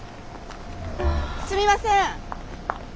すみません。